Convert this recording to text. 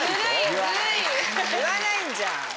言わないんじゃん。